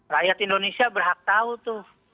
rakyat indonesia berhak tahu tuh